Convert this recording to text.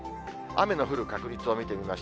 雨の降る確率を見てみます。